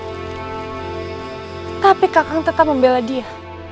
tetapi kakak tetap membela dia